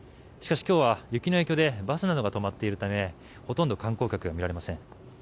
しかし今日は雪の影響でバスなどが止まっているためほとんど観光客は見られません。